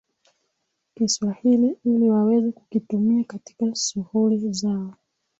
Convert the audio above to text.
Kiswahili ili waweze kukitumia katika sughuli zao